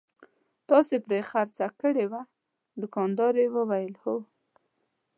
تاسې پرې خرڅه کړې وه؟ دوکاندارې وویل: هو.